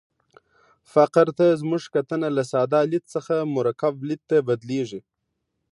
فقر ته زموږ کتنه له ساده لید څخه مرکب لید ته بدلېږي.